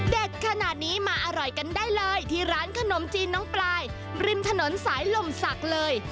ขนาดนี้มาอร่อยกันได้เลยที่ร้านขนมจีนน้องปลายริมถนนสายลมศักดิ์เลย